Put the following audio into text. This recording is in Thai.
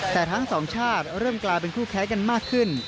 แต่ทั้งสองชาติเริ่มกลายเป็นคู่แค้นกันมากขึ้น